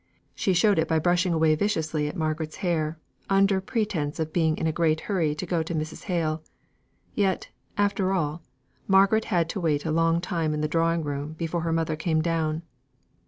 She showed it by brushing away viciously at Margaret's hair, under pretence of being in a great hurry to go to Mrs. Hale. Yet, after all, Margaret had to wait a long time in the drawing room before her mother came down.